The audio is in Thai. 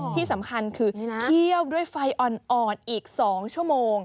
ที่สำคัญคือเคี่ยวด้วยไฟอ่อนอีก๒ชั่วโมง